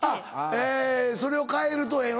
えそれを変えるとええの？